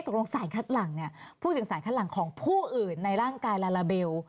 สารคัดหลังเนี่ยพูดถึงสารคัดหลังของผู้อื่นในร่างกายลาลาเบล